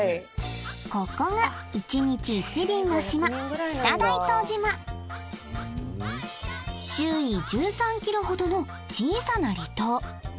ここが１日１便の島北大東島周囲１３ｋｍほどの小さな離島